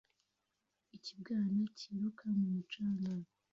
ikibwana kiruka mu mucanga